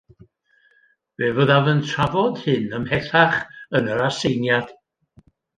Fe fyddaf yn trafod hyn ymhellach yn yr aseiniad